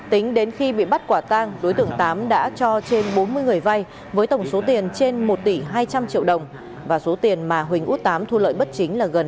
tính đến khi bị bắt quả tang đối tượng tám đã cho trên bốn mươi người vay với tổng số tiền trên một tỷ hai trăm linh triệu đồng và số tiền mà huỳnh út tám thu lợi bất chính là gần hai trăm hai mươi triệu đồng